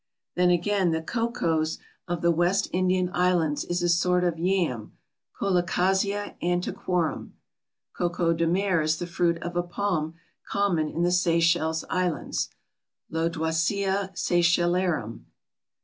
Then again the Cocoes of the West Indian Islands is a sort of Yam (Colocasia antiquorum). Coco de mer is the fruit of a palm common in the Seychelles Islands (Lodoicea Seychellarum).